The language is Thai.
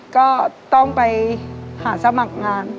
ก็ต้องไปหาสมัครงาน